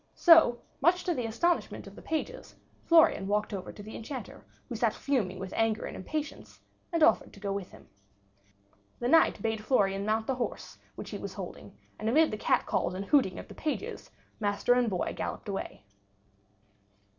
So, much to the astonishment of the pages, Florian walked over to the Enchanter, who sat fuming with anger and impatience, and offered to go with him. The Knight bade Florian mount the horse which he was holding; and amid the cat calls and hooting of the pages, master and boy galloped away.